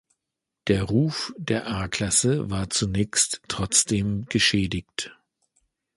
Der Ruf der A-Klasse war zunächst trotzdem geschädigt.